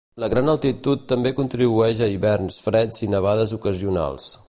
La gran altitud també contribueix a hiverns freds i nevades ocasionals.